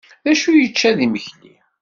D acu i yečča d imekli?